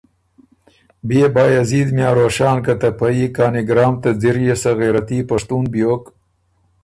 بئے بائزید میاں روښان که ته په يي کانیګرام ته ځِر يې سۀ غېرتي پشتُون بیوک،